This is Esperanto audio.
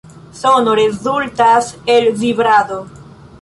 Sono rezultas el vibrado.